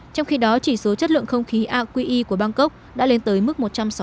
trong khi đó chỉ số chất lượng không khí aqi của bangkok đã lên tới mức một trăm sáu mươi